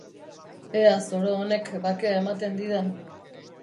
Ea zoro honek bakea ematen didan.